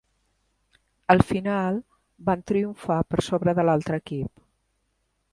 Al final, van triomfar per sobre de l"altre equip.